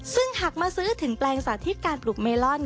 ซึ่งหากมาซื้อถึงแปลงสาธิตการปลูกเมลอน